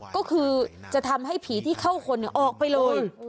ก็คือจะทำให้ผีที่เข้าคนออกไปเลย